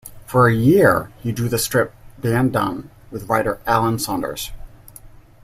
For a year he drew the strip "Dan Dunn" with writer Allen Saunders.